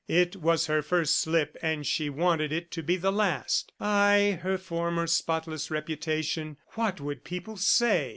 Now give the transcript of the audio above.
It was her first slip and she wanted it to be the last. Ay, her former spotless reputation! ... What would people say!